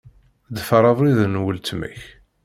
Ḍfeṛ abrid n weltma-k.